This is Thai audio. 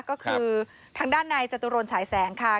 ก็คือทางด้านในจตุรนฉายแสงค่ะ